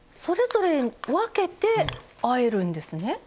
それぞれ分けてあえるんですね。